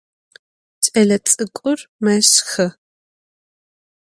Ç'elets'ık'ur meşxı.